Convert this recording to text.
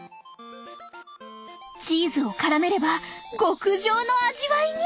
チーズをからめれば極上の味わいに。